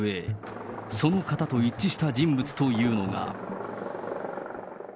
その型と一致した人物というのが。